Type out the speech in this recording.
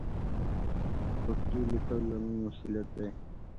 د پښتو لیکل زموږ مسوولیت دی.